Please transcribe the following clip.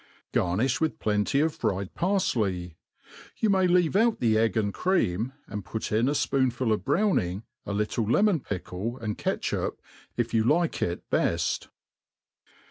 Gacnifh with plenty of fryed parflcy ; you may leave out the egg and cream, and put in a fpoonful of browning, a little lemon. pickle and catch^ up if you like it beft.